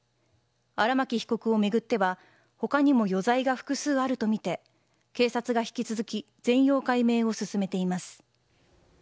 荒巻被告を巡っては他にも余罪が複数あるとみて警察が、引き続き全容解明を進めています。